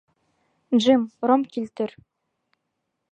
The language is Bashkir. — Джим, ром килтер!